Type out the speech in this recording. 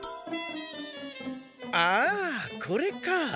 ああこれか。